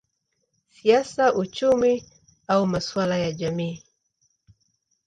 siasa, uchumi au masuala ya jamii.